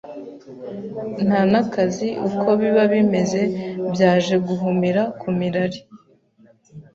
nta n’akazi uko biba bimeze byaje guhumira ku mirari